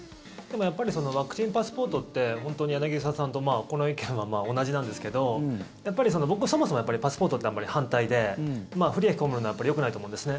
やっぱりワクチンパスポートって柳澤さんとこの意見は同じなんですけどやっぱり僕そもそもパスポートって反対で不利益を被るのはよくないと思うんですね。